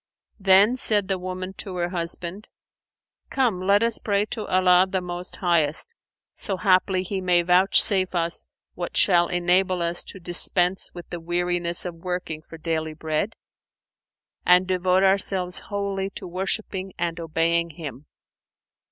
Then said the woman to her husband, "Come let us pray to Allah the Most Highest, so haply He may vouchsafe us what shall enable us to dispense with the weariness of working for daily bread and devote ourselves wholly to worshipping and obeying Him."